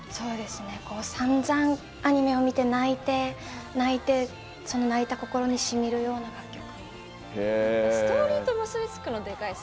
さんざんアニメを見て泣いてその泣いた心にしみるような楽曲です。